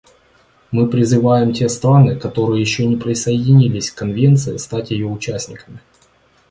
Мы призываем те страны, которые еще не присоединились к Конвенции, стать ее участниками.